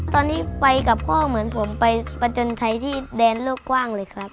ตอนนี้ไปกับพ่อเหมือนผมไปประจนไทยที่แดนโลกกว้างเลยครับ